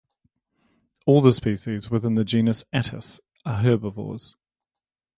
All the species within the genus Atys are herbivores.